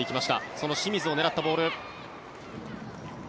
その清水を狙ったボール。